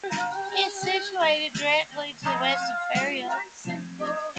It is situated directly to the west of Ferryhill.